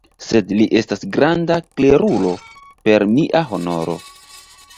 Sed li estas granda klerulo, per mia honoro!